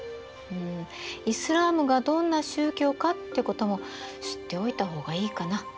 イスラームがどんな宗教かってことも知っておいた方がいいかな。